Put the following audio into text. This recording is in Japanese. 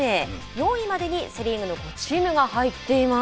４位までにセ・リーグの５チームが入っています。